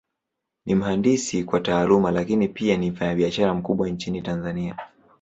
Ni mhandisi kwa Taaluma, Lakini pia ni mfanyabiashara mkubwa Nchini Tanzania.